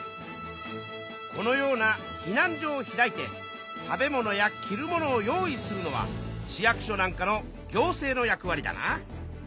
このような避難所を開いて食べ物や着る物を用意するのは市役所なんかの行政の役わりだな。